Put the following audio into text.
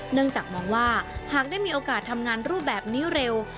เนื่องจากมองว่าหากได้มีโอกาสทำงานรูปแบบนี้เร็ว